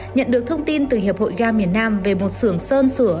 nhận được thông tin từ hiệp hội ga miền nam về một sưởng sơn sửa